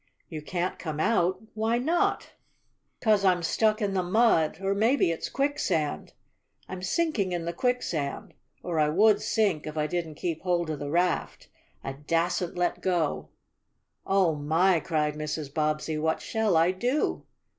"You can't come out? Why not?" "'Cause I'm stuck in the mud or maybe it's quicksand. I'm sinking in the quicksand. Or I would sink if I didn't keep hold of the raft. I dassn't let go!" "Oh, my!" cried Mrs. Bobbsey. "What shall I do?"